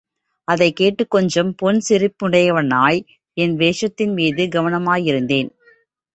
அதைக்கேட்டு, கொஞ்சம் புன்சிரிப்புடையவனாய் என் வேஷத்தின்மீது கவனமாயிருந்தேன்.